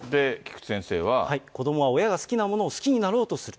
で、子どもは親が好きなものを好きになろうとする。